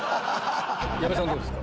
矢部さんどうですか？